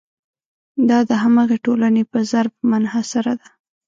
دا د همغې ټولنې په ظرف منحصره ده.